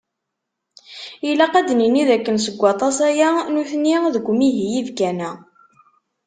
Ilaq ad d-nini d akken seg waṭas-aya, nutni deg umihi yibkan-a.